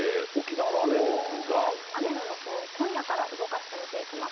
雨の予想、今夜から動かして見ていきます。